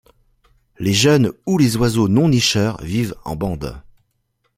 Les jeunes ou les oiseaux non nicheurs vivent en bandes.